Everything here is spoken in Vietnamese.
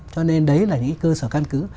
cho nên đấy là những cơ sở căn cứ